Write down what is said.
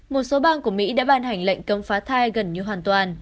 một số bang của mỹ đã ban hành lệnh cấm phá thai gần như hoàn toàn